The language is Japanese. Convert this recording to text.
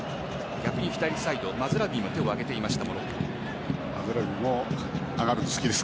逆に左サイドマズラウィも手を上げていました。